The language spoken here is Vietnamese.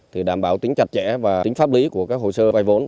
để đảm bảo tính chặt chẽ và tính pháp lý của các hồ sơ vay vốn